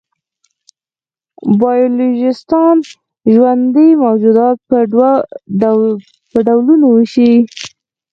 بایولوژېسټان ژوندي موجودات په ډولونو وېشي.